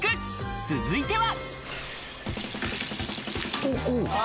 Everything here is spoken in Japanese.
続いては。